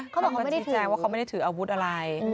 เขาบอกเขาชี้แจงว่าเขาไม่ได้ถืออาวุธอะไร